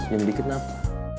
senyum dikit napa